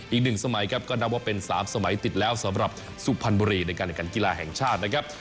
อีก๑สมัยครับก็นับว่าเป็น๓สมัยติดแล้วสำหรับสุพรรณบุรีในการแข่งขันกีฬาแห่งชาตินะครับ